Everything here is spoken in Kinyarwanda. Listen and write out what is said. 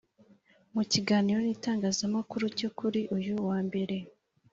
Mu kiganiro n’itangazamakuru cyo kuri uyu wa Mbere